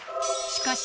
しかし、